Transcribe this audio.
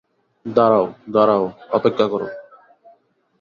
দাঁড়াও, দাঁড়াও, অপেক্ষা কর।